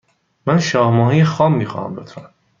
من شاه ماهی خام می خواهم، لطفا.